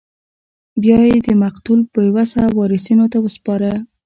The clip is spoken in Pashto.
یا به یې د مقتول بې وسه وارثینو ته ورسپاره.